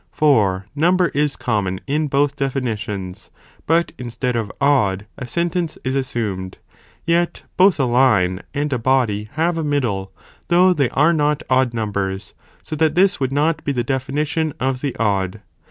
For number is common in both definitions, but instead of odd, a sentence is assumed; yet both a line and a body have a middle, though they are not odd numbers, so that this would not be the definition of the odd.